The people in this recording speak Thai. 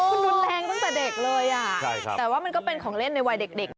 คุณรุนแรงตั้งแต่เด็กเลยอ่ะแต่ว่ามันก็เป็นของเล่นในวัยเด็ก